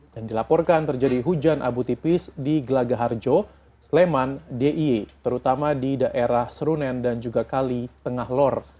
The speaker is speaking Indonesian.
dan dilaporkan terjadi hujan abu tipis di gelagaharjo sleman d i e terutama di daerah serunen dan juga kali tengah lor